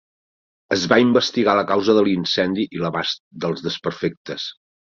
Es va investigar la causa de l'incendi i l'abast dels desperfectes.